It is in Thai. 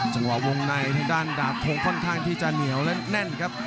จังหวะวงในทางด้านดาบทงค่อนข้างที่จะเหนียวและแน่นครับ